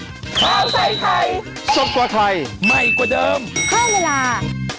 ข้าวใส่ไทยสดกว่าไทยใหม่กว่าเดิมเพิ่มเวลา